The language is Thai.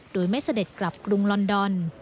โดยไม่เสด็จกลับกรุงลอนดอน